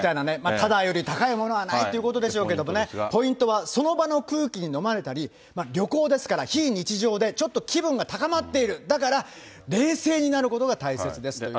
ただより高いものはないということでしょうけどね、ポイントは、その場の空気にのまれたり、旅行ですから、非日常で、ちょっと気分が高まっている、だから冷静になることが大切です。